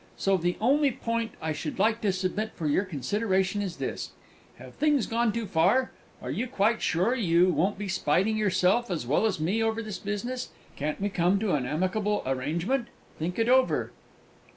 So the only point I should like to submit for your consideration is this: Have things gone too far? Are you quite sure you won't be spiting yourself as well as me over this business? Can't we come to an amicable arrangement? Think it over!"